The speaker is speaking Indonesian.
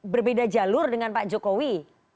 berbeda jalur dengan pak jokowi